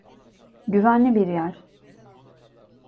Güvenli bir yer.